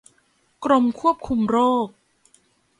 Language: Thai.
กรมควบคุมโรค